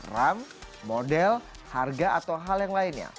ram model harga atau hal yang lainnya